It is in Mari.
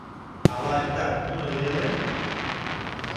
— Ала эртак нуно веле?